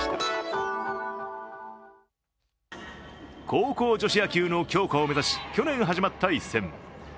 高校女子野球の強化を目指し去年始まった一戦。